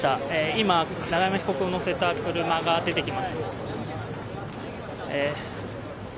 今、永山被告を乗せた車が出てきます。